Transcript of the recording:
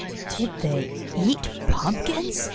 "Did they eat pumpkins?"